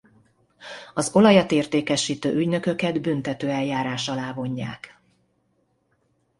Az olajat értékesítő ügynököket büntetőeljárás alá vonják.